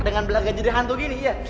dengan belanja jadi hantu gini ya